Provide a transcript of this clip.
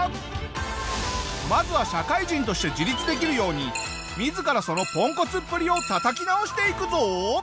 まずは社会人として自立できるように自らそのポンコツっぷりをたたき直していくぞ！